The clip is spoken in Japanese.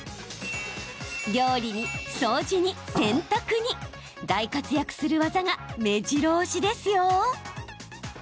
料理に、掃除に、洗濯に大活躍する技がめじろ押しですよ。